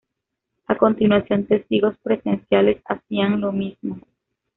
A continuación testigos presenciales hacían lo mismo.